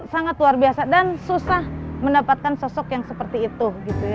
sangat luar biasa dan susah mendapatkan sosok yang seperti itu